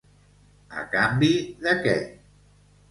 A canvi de què?